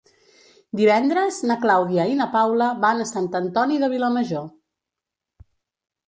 Divendres na Clàudia i na Paula van a Sant Antoni de Vilamajor.